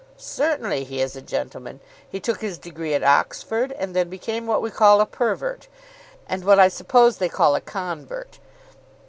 "Certainly he is a gentleman. He took his degree at Oxford, and then became what we call a pervert, and what I suppose they call a convert.